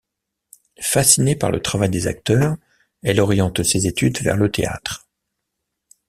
Fascinée par le travail des acteurs, elle oriente ses études vers le théâtre.